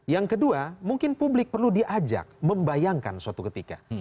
yang kedua mungkin publik perlu diajak membayangkan suatu ketika